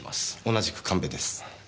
同じく神戸です。